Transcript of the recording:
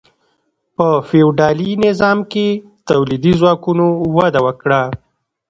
په فیوډالي نظام کې تولیدي ځواکونو وده وکړه.